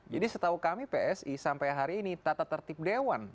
jadi setahu kami psi sampai hari ini tata tertib dewan